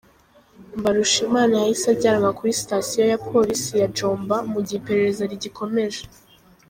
Mbarushimana yahise ajyanwa kuri Sitasiyo ya Polisi ya Jomba mu gihe iperereza rigikomeje.